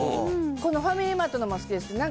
このファミリーマートのも好きです。